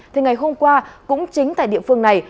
thì ngày hôm qua cũng chính tại địa phương này